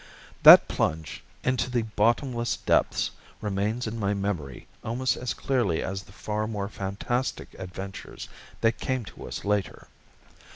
That plunge into the bottomless depths remains in my memory almost as clearly as the far more fantastic adventures that came to us later.